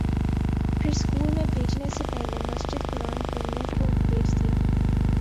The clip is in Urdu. پھر اسکول میں بھیجنے سے پہلے مسجد قرآن پڑھنے کو بھیج دیا